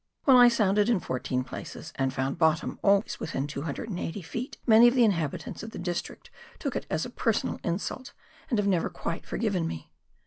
When I sounded in fourteen places, and found bottom always within 280 ft., many of the inhabitants of the district took it as a personal insult, and have never quite forgiven me.